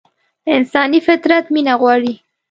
انساني فطرت مينه غواړي.